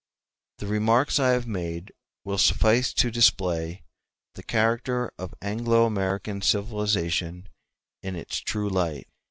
The remarks I have made will suffice to display the character of Anglo American civilization in its true light.